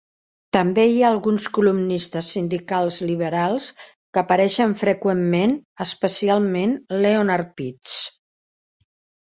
També hi ha alguns columnistes sindicals liberals que apareixen freqüentment, especialment Leonard Pitts.